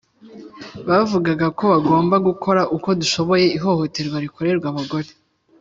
bavugaga ko bagomba gukora uko dushoboye ihohoterwa rikorerwa abagore